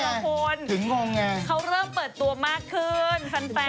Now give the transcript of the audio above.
ก็นั่นไงถึงงงไงเขาเริ่มเปิดตัวมากขึ้น